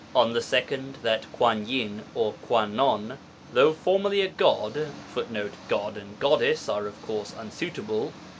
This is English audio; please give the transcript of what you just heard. On the second, that Kuan yin or Kwannon, though formerly a god, [Footnote: 'God' and 'Goddess' are of course unsuitable.